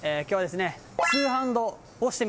今日はですね。